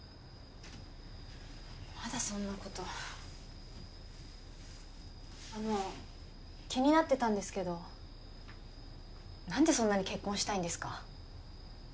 まだそんなことあの気になってたんですけど何でそんなに結婚したいんですか？